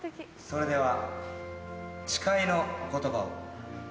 それでは誓いの言葉を。